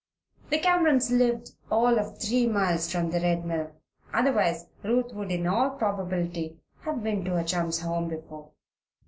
The Camerons lived all of three miles from the Red Mill; otherwise Ruth would in all probability have been to her chum's home before.